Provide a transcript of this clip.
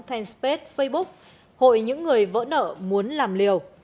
facebook hội những người vỡ nợ muốn làm liều